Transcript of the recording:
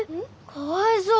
かわいそう。